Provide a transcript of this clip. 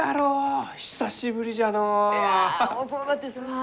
いや遅うなってすまん。